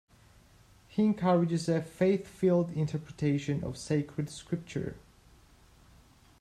He encourages a "faith-filled interpretation of Sacred Scripture".